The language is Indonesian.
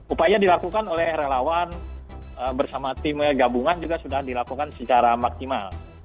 upaya dilakukan oleh relawan bersama tim gabungan juga sudah dilakukan secara maksimal